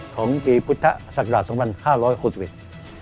ของปีพุทธศักดาสังพันธ์๕๑๑